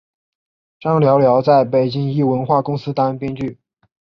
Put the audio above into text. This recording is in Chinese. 张寥寥在北京一文化公司当编剧。